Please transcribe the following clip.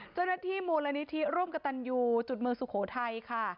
เจ้าหน้าที่มูลนิธิร่วมกับตันยูจุดเมืองสุโขทัยค่ะ